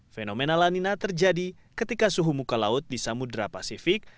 fenomena lanina terjadi ketika suhu muka laut di samudera pasifik